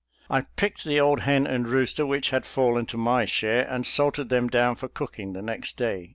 I picked the old hen and rooster which had fallen to my share, and salted them down for cooking the next day.